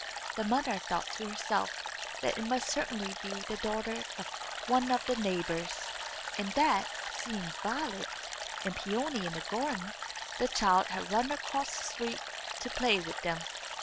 The mother thought to herself that it must certainly be the daughter of one of the neighbours, and that, seeing Violet, and Peony in the garden, the child had run across the street to play with them.